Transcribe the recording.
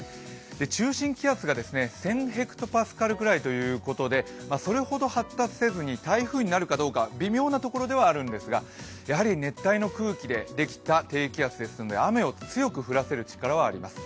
中心気圧が１０００ｈＰａぐらいということでそれほど発達せずに台風になるかどうか微妙なところではあるんですがやはり、熱帯の空気でできた低気圧ですので雨を強く降らす力はあります。